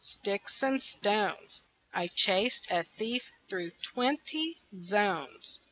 Sticks and stones! I chased a thief through twenty zones.